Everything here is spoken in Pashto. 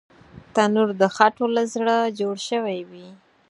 تنور د خټو له زړه جوړ شوی وي